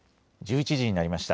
１１時になりました。